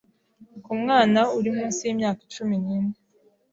ku mwana uri munsi y’imyaka cumi n’ine